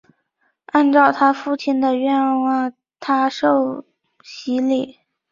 按照她父亲的愿望她受洗礼。